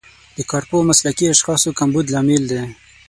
د کارپوه او مسلکي اشخاصو کمبود لامل دی.